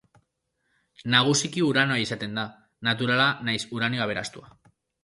Nagusiki uranioa izaten da, naturala nahiz uranio aberastua.